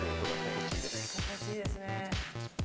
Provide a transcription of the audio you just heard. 心地いいですね。